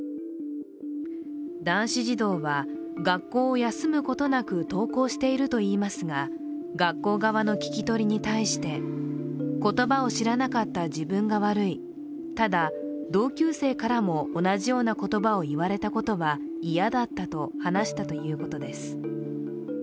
男子児童は学校を休むことなく登校しているといいますが、学校側の聞き取りに対して、言葉を知らなかった自分が悪い、ただ、同級生からも同じような言葉を言われたことは嫌だったと話したということです。